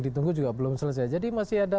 ditunggu juga belum selesai jadi masih ada